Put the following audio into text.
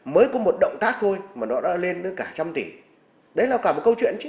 mới có một động tác thôi mà nó đã lên tới cả trăm tỷ đấy là cả một câu chuyện